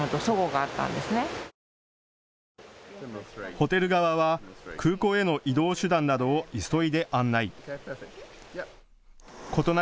ホテル側は空港への移動手段などを急いで案内。